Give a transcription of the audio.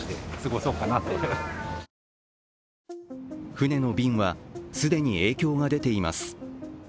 船の便は、既に影響が出ています。